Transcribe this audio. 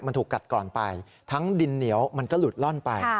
มันถูกกัดก่อนไปทั้งดินเหนียวมันก็หลุดล่อนไป